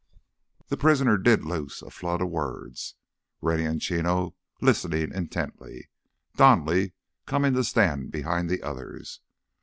The prisoner did loose a flood of words, Rennie and Chino listening intently, Donally coming to stand behind the others.